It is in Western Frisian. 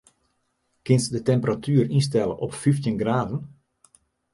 Kinst de temperatuer ynstelle op fyftjin graden?